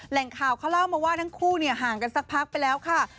แหล่งข่าวเขาเล่ามาว่าทั้งคู่ห่างกันสักพักไปแล้วค่ะ